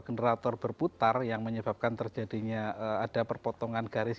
generator berputar yang menyebabkan terjadinya ada perpotongan garis